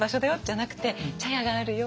じゃなくて「茶屋があるよ。